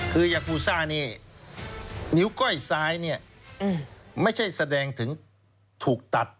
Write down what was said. คือยากูซ่านี่นิ้วก้อยซ้ายเนี่ยไม่ใช่แสดงถึงถูกตัด